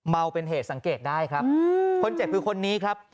เป็นเหตุสังเกตได้ครับคนเจ็บคือคนนี้ครับ